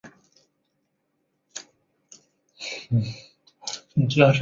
雷兰德出生于俄罗斯帝国芬兰大公国的库尔基约基的儿子。